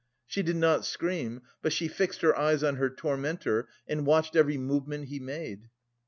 She did not scream, but she fixed her eyes on her tormentor and watched every movement he made.